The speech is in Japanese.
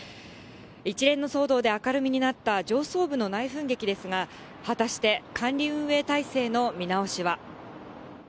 一連の騒動で明るみになった上層部の内紛劇ですが、果たして管理運営体制の見直しは。